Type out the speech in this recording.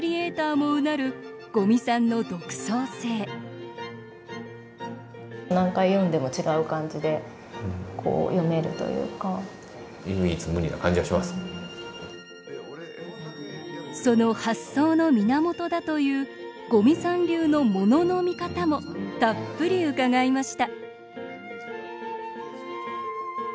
もうなる五味さんの独創性その発想の源だという五味さん流の“ものの見方”もたっぷり伺いました